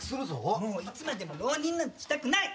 もういつまでも浪人なんてしたくない。